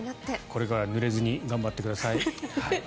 これからぬれずに頑張ってください。